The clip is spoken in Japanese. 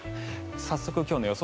早速、今日の予想